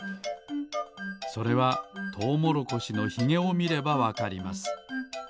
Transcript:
それはトウモロコシのひげをみればわかります。